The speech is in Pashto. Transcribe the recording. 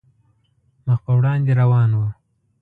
مخ په وړاندې روان وو.